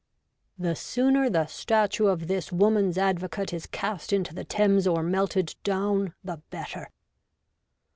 The sooner the statue of this woman's advocate is cast into the Thames, or melted down, the better.